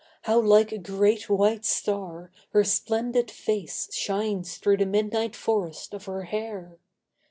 How like a great white star, her splendid face Shines through the midnight forest of her hair!